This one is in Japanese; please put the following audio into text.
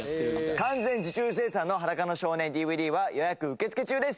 完全受注生産の『裸の少年ＤＶＤ』は予約受け付け中です。